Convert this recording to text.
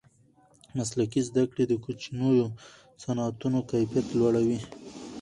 مسلکي زده کړې د کوچنیو صنعتونو کیفیت لوړوي.